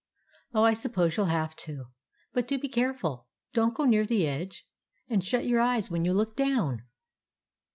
"Oh, I suppose you 'll have to. But do be careful! Don't go near the edge, and shut your eyes when you look down